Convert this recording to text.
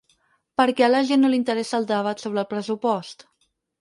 Per què a la gent no l’interessa el debat sobre el pressupost?